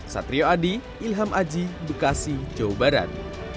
satrio adi ilham aji bekasi jawa barat